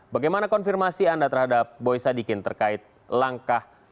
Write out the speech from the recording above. bagaimana konfirmasi anda terhadap boy sadikin terkait langkah